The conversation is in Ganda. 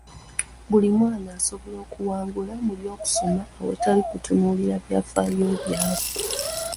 Buli mwana asobola okuwangula mu by'okusoma awatali kutunuulira byafaayo byabwe.